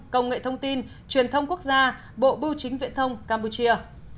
công nghệ thông tin truyền thông quốc gia bộ bưu chính viễn thông campuchia